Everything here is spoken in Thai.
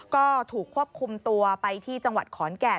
ก็ถูกควบคุมตัวไปที่จังหวัดขอนแก่น